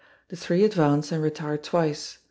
The three advance and retire twice.